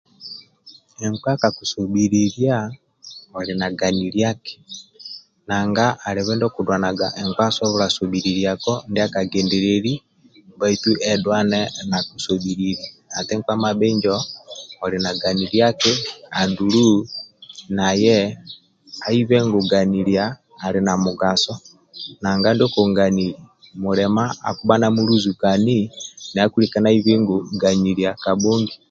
Nkpa kakusobhililia oli na ganiliaki nanga alibe ndio okudunaga nkpa asobola sobhililiako ndia kakugendelili baitu edulane nakusobhilili ati nkpa mabhinjo oli na ganyiliaki andulu naye aibe ngu gayilia ali na mugaso nanga ndio kungayili mulima akibha namuluzukani naye akilika naibi eti kanyilia kabhongi